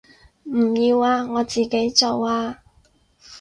唔要啊，我自己做啊